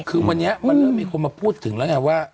คือวันนี้มันเริ่มมีคนมาพูดถึงแล้วไงว่า